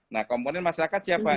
nah komponen masyarakat siapa